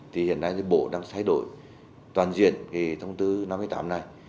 thì hiện nay thì bộ đang thay đổi toàn diện cái thông tư năm mươi tám này